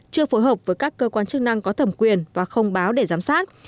chưa phối hợp với các cơ quan chức năng có thẩm quyền và không báo để giám sát